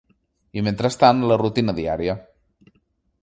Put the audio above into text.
I, mentrestant, la rutina diària